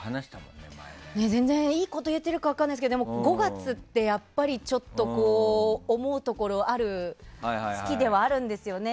全然いいこと言えてるか分からないですけど５月ってやっぱり思うところがある月ではあるんですよね。